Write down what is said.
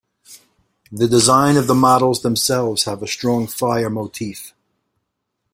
The design of the models themselves have a strong fire motif.